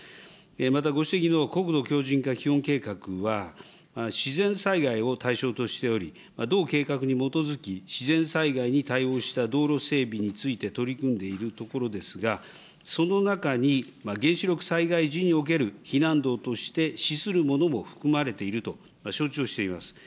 また、ご指摘の国土強じん化基本計画は、自然災害を対象としており、同計画に基づき自然災害に対応した道路整備について取り組んでいるところですが、その中に原子力災害時における避難道として資するものも含まれていると承知をしています。